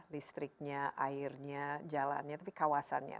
listriknya airnya jalannya tapi kawasannya